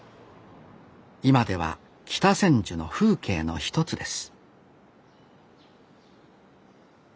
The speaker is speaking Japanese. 今では北千住の風景の一つです